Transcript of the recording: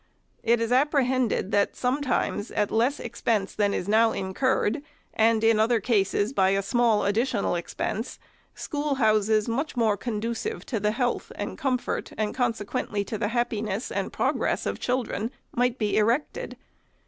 It is apprehended that sometimes at less expense than is now incurred, and in other cases, by a small additional expense, schoolhouses much more conducive to the health and comfort, and consequently to the happiness and progress of children, might be erected.